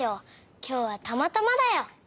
きょうはたまたまだよ。